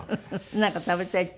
なんか食べたいって？